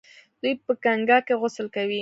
دوی په ګنګا کې غسل کوي.